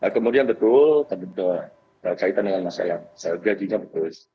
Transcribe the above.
kemudian betul kaitannya dengan masyarakat gajinya betul